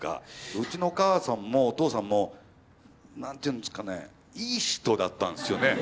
うちのお母さんもお父さんも何て言うんですかねいい人だったんですよね。